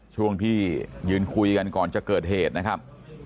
ช่วงที่ยืนคุยกันก่อนจะเกิดเหตุนะครับ